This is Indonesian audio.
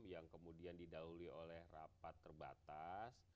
yang kemudian didahului oleh rapat terbatas